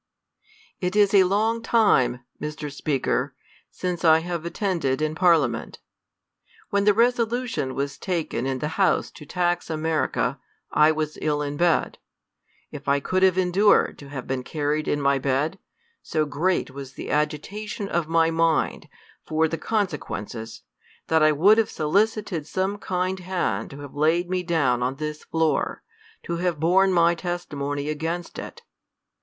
IT is a long time, Mr. Speaker, since I^have attended in Parliament. When the resolution was taken in the House to tax America, I was ill in bed. If I could have endured to have been carried in my bed, so great was the agitation of my mind for the conse quences, that I would have solicited some kind hand to have laid me down on this floor, to have borne my tes timony against it.